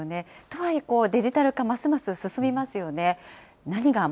とはいえ、デジタル化、ますます進みますよね。